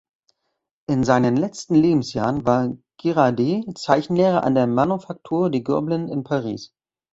In seinen letzten Lebensjahren war Girardet Zeichenlehrer an der Manufacture des Gobelins in Paris.